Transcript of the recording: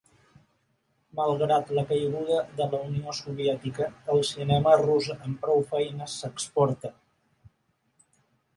Malgrat la caiguda de la Unió Soviètica, el cinema rus amb prou feines s'exporta.